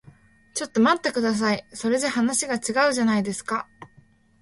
ちょっと待ってください。それじゃ話が違うじゃないですか。